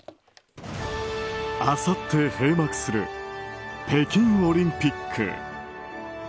あさって閉幕する北京オリンピック。